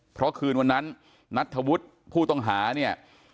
เพราะคืนวันนั้นนัทธวุฒิผู้ต้องหาเนี่ย